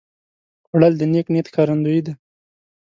خوړل د نیک نیت ښکارندویي ده